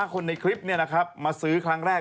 คนในคลิปนะครับมาซื้อครั้งแรก